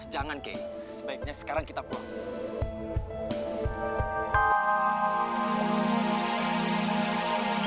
jangan kek sebaiknya sekarang kita pulang